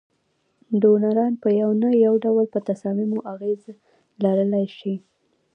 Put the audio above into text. ډونران په یو نه یو ډول په تصامیمو اغیز لرلای شي.